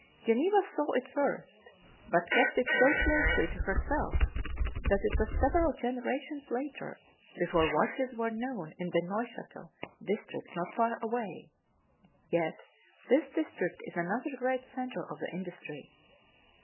Geneva "saw it first," but kept it so closely to herself that it was several generations later before watches were known in the Neuchatel district not far away, yet, this district is another great center of the industry.